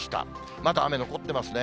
まだ雨残ってますね。